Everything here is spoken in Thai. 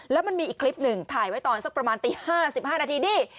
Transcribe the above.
แล้วมันมีอีกคลิปหนึ่งถ่ายไว้ตอนสักประมาณตี๕๕นาทีนี่